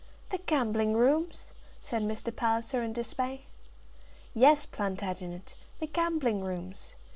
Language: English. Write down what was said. "The gambling rooms!" said Mr. Palliser in dismay. "Yes, Plantagenet; the gambling rooms.